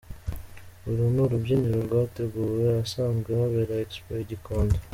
Uru ni urubyiniro rwateguwe ahasanzwe habera Expo i Gikondo.